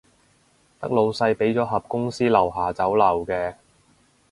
得老細畀咗盒公司樓下酒樓嘅